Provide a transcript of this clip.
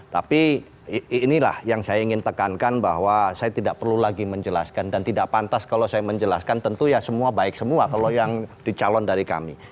tapi inilah yang saya ingin tekankan bahwa saya tidak perlu lagi menjelaskan dan tidak pantas kalau saya menjelaskan tentu ya semua baik semua kalau yang dicalon dari kami